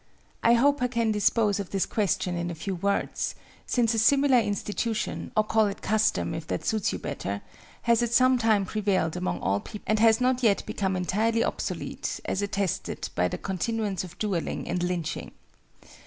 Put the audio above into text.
I hope I can dispose of this question in a few words, since a similar institution, or call it custom, if that suits you better, has at some time prevailed among all peoples and has not yet become entirely obsolete, as attested by the continuance of duelling and lynching.